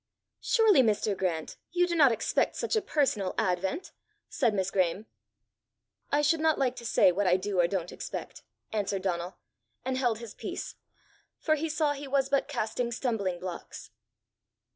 "Surely, Mr. Grant, you do not expect such a personal advent!" said Miss Graeme. "I should not like to say what I do or don't expect," answered Donal and held his peace, for he saw he was but casting stumbling blocks.